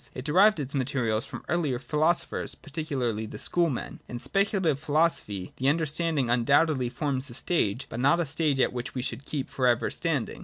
It derived its materials from earlier philosophers, particularly the Schoolmen. In speculative philosophy the understanding undoubtedly forms a stage, but not a stage at which we should keep for ever standing.